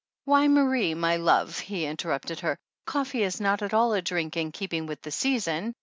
"Why, Marie, my love," he interrupted her, "coffee is not at all a drink in keeping with the season.